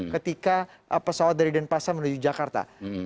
ketika pesawat dari denpasar menuju jakarta